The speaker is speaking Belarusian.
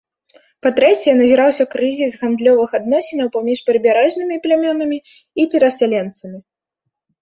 Па-трэцяе, назіраўся крызіс гандлёвых адносінаў паміж прыбярэжнымі плямёнамі і перасяленцамі.